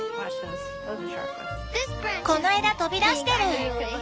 この枝飛び出してる！